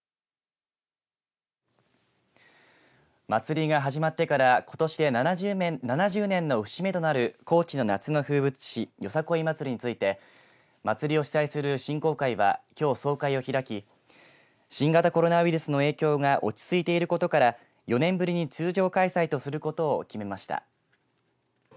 祭りが始まってからことしで７０年の節目となる高知の夏の風物詩よさこい祭りについて祭りを主催する振興会はきょう総会を開き新型コロナウイルスの影響が落ち着いていることから４年ぶりに通常開催とすることを決めました。